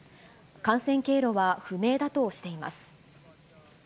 感染経路は不明だとしています。